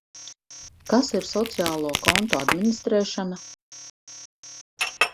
Kas ir sociālo kontu administrēšana?